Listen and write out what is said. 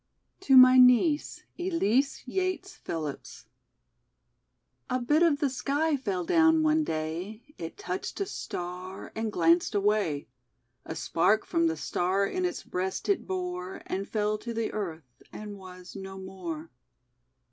A. TO MY NIECE ELISE YATES PHILLIPS A bit of the Sky fell down one day; It touched a Star and glanced away; A spark from the Star in its breast it lore, And fell to the earth, and was no more.